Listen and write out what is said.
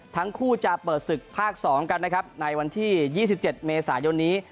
ทั้งคู่จะเปิดศึกภาคสองกันนะครับในวันที่ยี่สิบเจ็ดเมษายนนี้